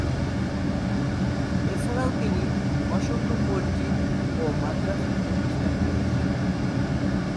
এছাড়াও তিনি অসংখ্য মসজিদ ও মাদ্রাসা প্রতিষ্ঠা করেছেন।